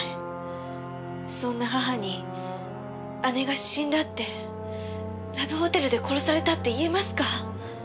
そんな母に姉が死んだってラブホテルで殺されたって言えますか？